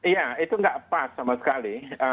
ya itu enggak pas sama sekali